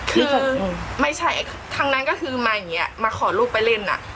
คือไม่ใช่ทั้งนั้นก็คือมาอย่างนี้มาขอลูกไปเล่นอ่ะ